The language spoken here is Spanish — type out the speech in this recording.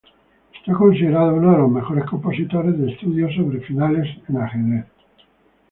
Es considerado uno de los mejores compositores de estudios sobre finales en ajedrez.